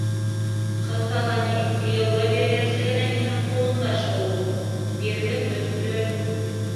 — Ҡыҙ бала ни, кейәүгә биргәнсе генә һинең ҡулыңда шул ул. Бирҙең — бөттө.